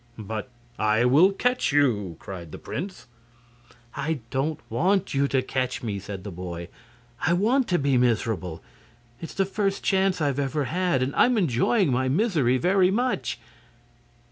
"But I will catch you," cried the prince. "I don't want you to catch me," said the boy. "I want to be miserable. It's the first chance I've ever had, and I'm enjoying my misery very much."